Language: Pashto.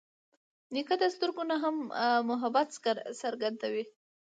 نیکه د سترګو نه هم محبت څرګندوي.